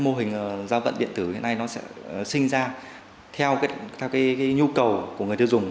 mô hình gia vận điện tử hiện nay nó sẽ sinh ra theo nhu cầu của người tiêu dùng